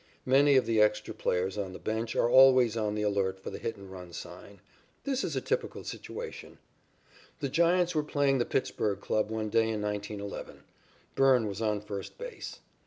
Many of the extra players on the bench are always on the alert for the hit and run sign. This is a typical situation: The Giants were playing the Pittsburg club one day in 1911. Byrne was on first base.